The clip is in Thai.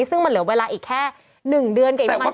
ซึ่งมันเหลือเวลาอีกแค่๑เดือนกับอีกประมาณ